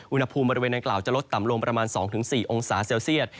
อุณหภูมิบริเวณอังกล่าวจะลดต่ำลงประมาณ๒๔องศาเซลเซียต